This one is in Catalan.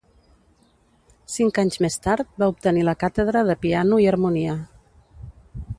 Cinc anys més tard, va obtenir la càtedra de piano i harmonia.